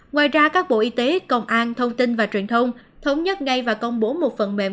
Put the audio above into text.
ngoài ra các bộ y tế công an thông tin và truyền thông thống nhất ngay và công bố một phần mềm